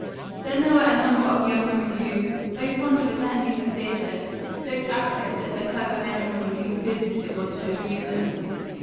Then there were a number of young women who, though fond of attending the theatre, looked askance at the clever men and women whose business it was to amuse them.